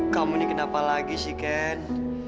kamu ini kenapa lagi si ken